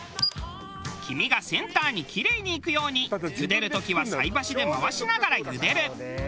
黄身がセンターにキレイにいくようにゆでる時は菜箸で回しながらゆでる。